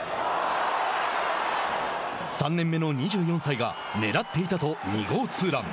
３年目の２４歳がねらっていたと２号ツーラン。